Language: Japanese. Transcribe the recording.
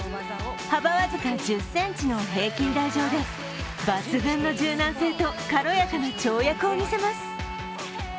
幅僅か１０ｃｍの平均台上で抜群の柔軟性と軽やかな跳躍を見せます。